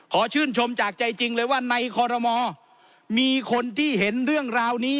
ชื่นชมจากใจจริงเลยว่าในคอรมอมีคนที่เห็นเรื่องราวนี้